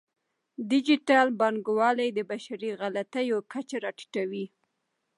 ډیجیټل بانکوالي د بشري غلطیو کچه راټیټوي.